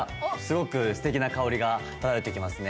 すごくすてきな香りが漂って来ますね。